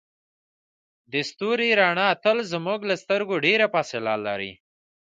د ستوري رڼا تل زموږ له سترګو ډیره فاصله لري.